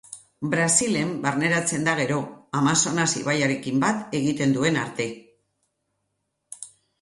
Brasilen barneratzen da gero, Amazonas ibaiarekin bat egiten duen arte.